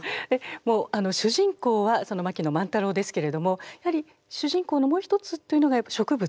主人公は槙野万太郎ですけれどもやはり主人公のもう一つというのがやっぱ植物ですよね。